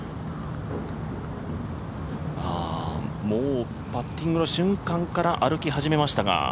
もうパッティングの瞬間から歩き始めましたが。